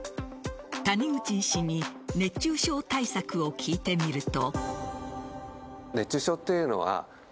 谷口医師に熱中症対策を聞いてみると。